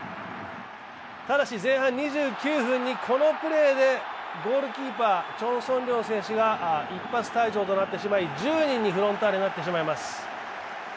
前半２９分にこのプレーでゴールキーパー、チョン・ソンリョン選手が一発退場となってしまい、フロンターレ、１０人になってしまいます。